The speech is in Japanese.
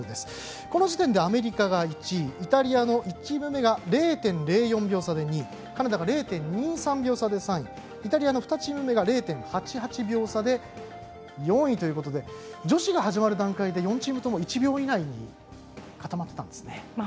この時点でアメリカが１位イタリアの１チーム目が０．０４秒差で２位カナダが０．２３秒差で３位イタリアの２チーム目が０．８８秒差で４位ということで女子が始まる段階で４チームとも１秒以内に固まっていたんですね。